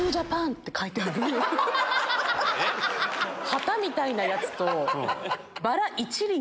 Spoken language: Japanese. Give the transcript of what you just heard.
旗みたいなやつと。